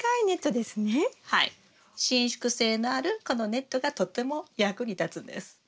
伸縮性のあるこのネットがとても役に立つんです。